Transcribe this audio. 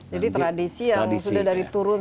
jadi tradisi yang sudah dari turun